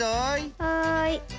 はい。